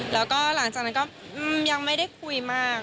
แล้วก็หลังจากนั้นก็ยังไม่ได้คุยมาก